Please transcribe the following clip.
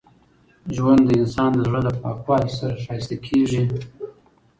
ژوند د انسان د زړه له پاکوالي سره ښایسته کېږي.